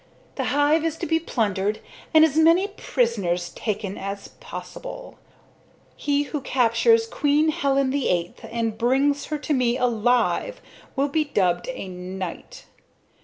The hive is to be plundered and as many prisoners taken as possible. He who captures Queen Helen VIII and brings her to me alive will be dubbed a knight.